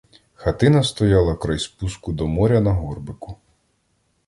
Хатина стояла край спуску до моря на горбику.